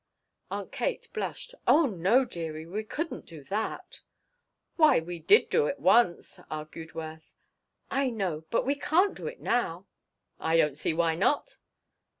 Aunt Kate blushed. "Oh no, dearie, we couldn't do that." "Why we did do it once," argued Worth. "I know, but we can't do it now." "I don't see why not."